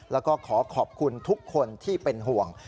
แล้วก็ขอขอบคุณทุกคนที่เป็นห่วง